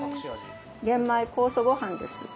玄米酵素ごはんです。